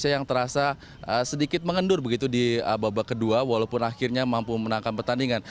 yang terasa sedikit mengendur begitu di babak kedua walaupun akhirnya mampu menangkan pertandingan